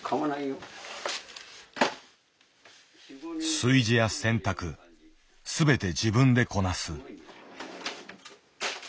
炊事や洗濯全て自分でこなす。